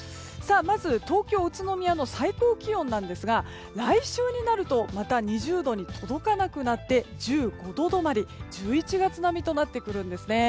まず東京、宇都宮の最高気温なんですが来週になるとまた２０度に届かなくなって１５度止まり、１１月並みとなってくるんですね。